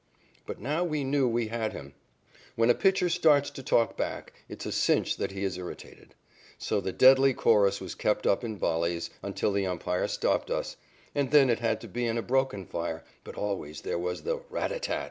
But now we knew we had him. When a pitcher starts to talk back, it is a cinch that he is irritated. So the deadly chorus was kept up in volleys, until the umpire stopped us, and then it had to be in a broken fire, but always there was the "Rat a tat tat!